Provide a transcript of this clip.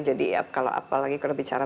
jadi kalau apalagi kalau bicara